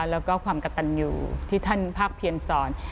แล้วก็ความกระตันอยู่ที่ท่านภาคเพียรสอน